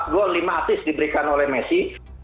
empat gol lima asis diberikan oleh messi